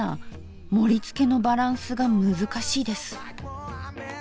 盛りつけのバランスが難しいです。